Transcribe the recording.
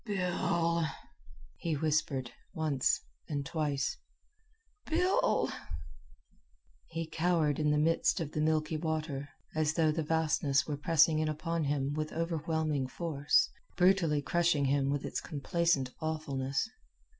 "Bill!" he whispered, once and twice; "Bill!" He cowered in the midst of the milky water, as though the vastness were pressing in upon him with overwhelming force, brutally crushing him with its complacent awfulness.